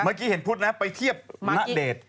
เมื่อกี้เห็นพุทธนะไปเทียบพระเดช